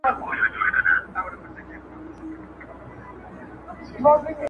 دښمن مړ که، مړانه ئې مه ورکوه.